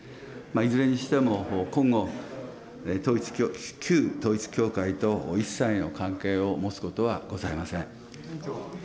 いずれにしても今後、旧統一教会と一切の関係を持つことはございません。